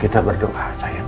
kita berdoa sayang